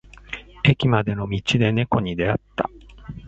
駅までの道で猫に出会った。